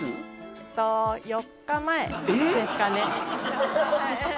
えっと４日前ですかねえっ！？